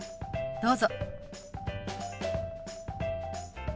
どうぞ。